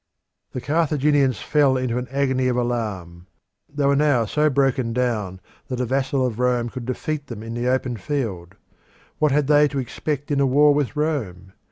The Carthaginians fell into an agony of alarm. They were now so broken down that a vassal of Rome could defeat them in the open field. What had they to expect in a war with Rome?